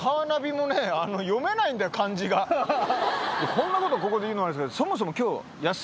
こんなことここで言うのあれですけど。